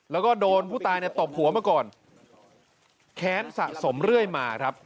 แล้วก็โดนผู้ตายเนี่ยตบหัวมาก่อนแค้นสะสมเรื่อยมาครับ